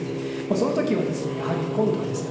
その時はですねやはり今度はですね